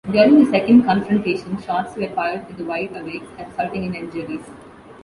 During the second confrontation, shots were fired at the Wide Awakes, resulting in injuries.